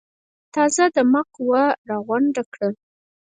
تازه دمه قوه راغونډه کړه.